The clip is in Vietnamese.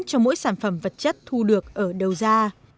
cho mỗi sản phẩm vật chất thu được ở đầu ra